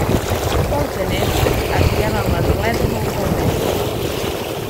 Pel gener es gelen les bledes al calder.